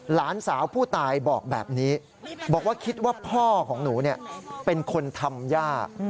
หลานสาวผู้ตายบอกแบบนี้บอกว่าคิดว่าพ่อของหนูเป็นคนทำย่า